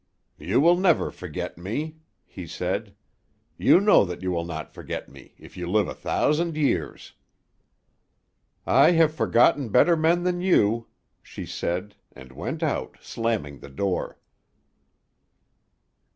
"You will never forget me," he said. "You know that you will not forget me, if you live a thousand years." "I have forgotten better men than you," she said and went out, slamming the door.